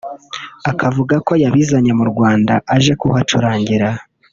akavuga ko yabizanye mu Rwanda aje kuhacurangira